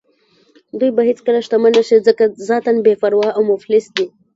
دوی به هېڅکله شتمن نه شي ځکه ذاتاً بې پروا او مفلس دي.